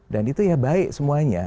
dan itu ya baik semuanya